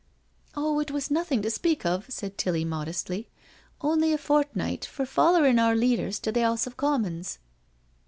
" Oh, it was nothing to speak of/' said Tilly modestly, " only a fortnight for follerin* our leader to the House o' Commons."